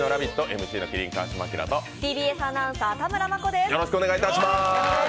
ＭＣの麒麟・川島明とＴＢＳアナウンサーの田村真子です。